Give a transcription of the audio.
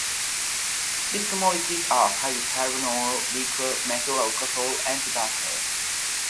These commodities are hydrocarbon oil, liquor, methyl alcohol and tobacco.